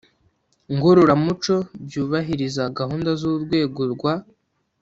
Ngororamuco byubahiriza gahunda z urwego rwa